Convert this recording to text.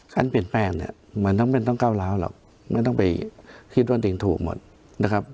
การเปลี่ยนแปลงเนี่ยมันต้องเป็นต้องก้าวร้าวหรอกไม่ต้องไปคิดว่าตัวเองถูกหมดนะครับ